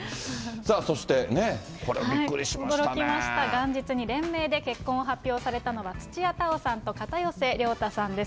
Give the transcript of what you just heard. さあ、そして、これ、びっく驚きました、元日に連名で結婚を発表されたのは、土屋太鳳さんと片寄涼太さんです。